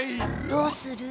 どうする？